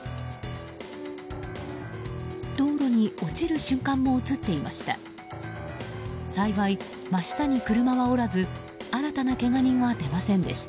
道路に落ちる瞬間も映っていました。